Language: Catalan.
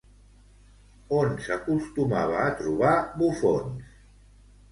On s'acostumava a trobar bufons?